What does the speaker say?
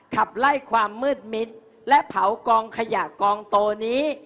ขับไล่ความมืดมิดและเผากองขยะกองโตนี้